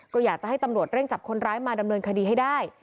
ก็อยากจะให้ตำรวจเร่งจับคนร้ายมาดำเนินคดีให้ได้